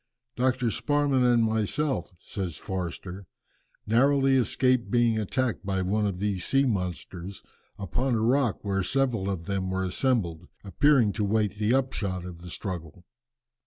"Dr. Sparman and myself," says Forster, "narrowly escaped being attacked by one of these sea monsters, upon a rock where several of them were assembled, appearing to wait the upshot of the struggle.